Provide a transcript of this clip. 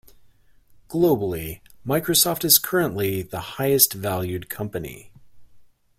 Globally Microsoft is currently the highest valued company.